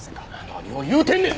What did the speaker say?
何を言うてんねん！